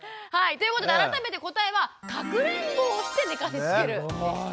ということで改めて答えはかくれんぼをして寝かしつけるでしたね。